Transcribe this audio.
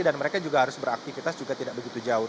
dan mereka juga harus beraktifitas juga tidak begitu jauh